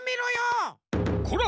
こら！